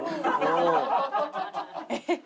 えっ？